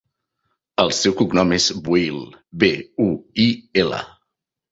El seu cognom és Buil: be, u, i, ela.